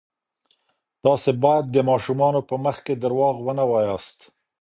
تاسې باید د ماشومانو په مخ کې درواغ ونه وایاست.